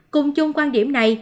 cùng chung quan điểm này